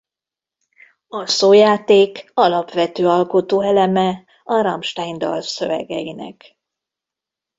A szójáték alapvető alkotóeleme a Rammstein dalszövegeinek.